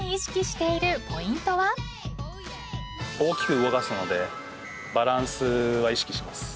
大きく動かすのでバランスは意識します。